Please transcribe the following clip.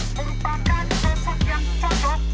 merupakan sosok yang cocok